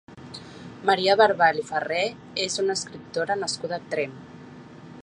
Maria Barbal i Farré és una escriptora nascuda a Tremp.